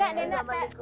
danda danda pepe